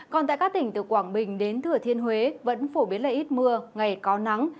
còn tại các tỉnh từ quảng bình đến thừa thiên huế vẫn phổ biến là ít mưa ngày có nắng